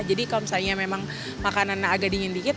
jadi kalau misalnya memang makanan agak dingin dikit